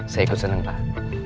saya ikut seneng pak